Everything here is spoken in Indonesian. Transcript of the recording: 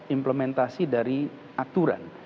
implementasi dari aturan